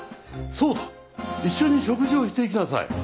そうだ一緒に食事をしていきなさい。